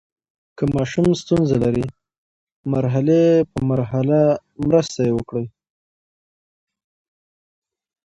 که ماشوم ستونزه لري، مرحلې په مرحله مرسته یې وکړئ.